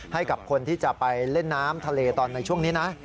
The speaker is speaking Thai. ให้กับคนที่จะไปเล่นน้ำทะเลตอนในช่วงนี้นะ